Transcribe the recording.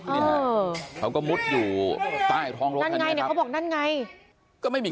เนี่ยเขาก็มุดอยู่ใต้ท้องรถนั่นไงเนี่ยเขาบอกนั่นไงก็ไม่มี